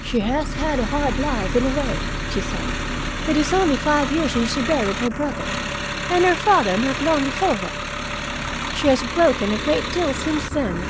"She has had a hard life, in a way," she said. "It is only five years since she buried her brother, and her father not long before that. She has broken a great deal since then.